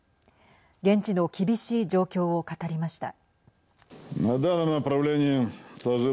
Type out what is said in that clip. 現地の厳しい状況を語りました。